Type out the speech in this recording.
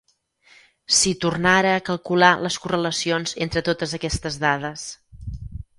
Si tornara a calcular les correlacions entre totes aquestes dades!